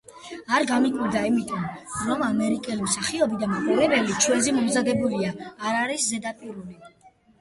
არ გამიკვირდა იმიტომ, რომ ამერიკელი მსახიობი და მაყურებელი ჩვენზე მომზადებულია, არ არის ზედაპირული.